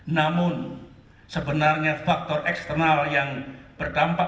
namun sebenarnya faktor eksternal yang berdampak